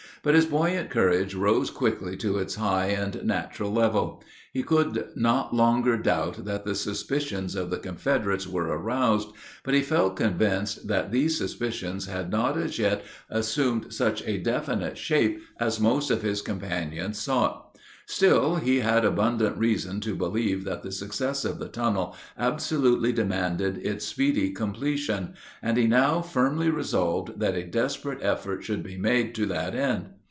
But his buoyant courage rose quickly to its high and natural level. He could not longer doubt that the suspicions of the Confederates were aroused, but he felt convinced that these suspicions had not as yet assumed such a definite shape as most of his companions thought; still, he had abundant reason to believe that the success of the tunnel absolutely demanded its speedy completion, and he now firmly resolved that a desperate effort should be made to that end.